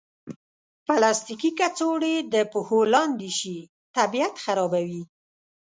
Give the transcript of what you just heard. پلاستيکي کڅوړې د پښو لاندې شي، طبیعت خرابوي.